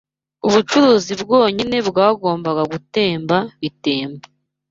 Ubucuruzi bwonyine bwagombaga gutemba; Bitemba